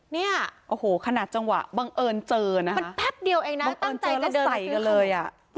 เนี่ยโอ้โหขนาดจังหวะบังเอิญเจอนะมันแป๊บเดียวเองนะตั้งใจจะใส่กันเลยอ่ะ